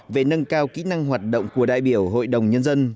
về nâng cao kỹ năng hoạt động của đại biểu hội đồng nhân dân